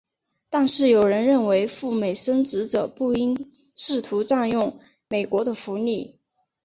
但是有人认为赴美生子者不应试图占用美国的福利。